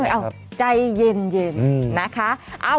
เอ้าใจเย็นนะคะ